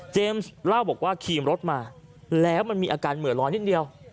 เล่าบอกว่าขี่มรถมาแล้วมันมีอาการเหมือนร้อนนิดเดียว